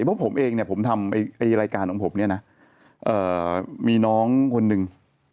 เพราะผมเองเนี่ยผมทำรายการของผมเนี่ยนะมีน้องคนหนึ่ง